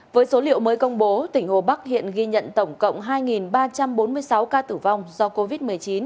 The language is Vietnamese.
với số liệu mới công bố tỉnh hồ bắc hiện ghi nhận tổng cộng hai ba trăm bốn mươi sáu ca tử vong do covid một mươi chín